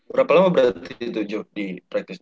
berapa lama berarti itu joe